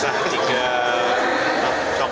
baik dengan cerita backgroundnya masing masing